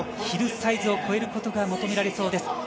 ヒルサイズを越えることが求められそうです。